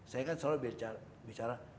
saya kan selalu bicara